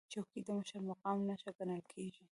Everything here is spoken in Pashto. چوکۍ د مشر مقام نښه ګڼل کېږي.